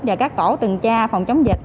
và các tổ từng cha phòng chống dịch